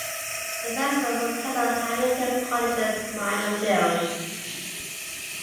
The festival was held on Hamilton College's Minor Field.